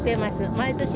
毎年。